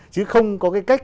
chứ không có cái cách